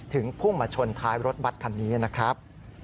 พุ่งมาชนท้ายรถบัตรคันนี้นะครับ